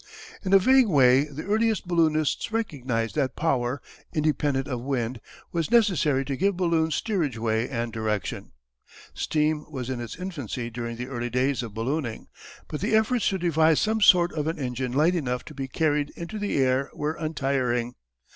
In a vague way the earliest balloonists recognized that power, independent of wind, was necessary to give balloons steerage way and direction. Steam was in its infancy during the early days of ballooning, but the efforts to devise some sort of an engine light enough to be carried into the air were untiring.